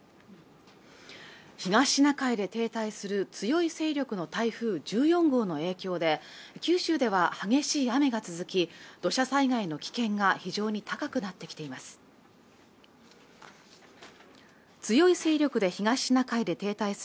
東シナ海で停滞する強い勢力の台風１４号の影響で九州では激しい雨が続き土砂災害の危険が非常に高くなってきています